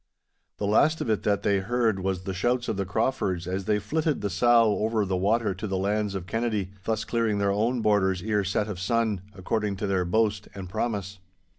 The last of it that they heard was the shouts of the Craufords as they flitted the sow over the water to the lands of Kennedy, thus clearing their own borders ere set of sun, according to their boast and promise.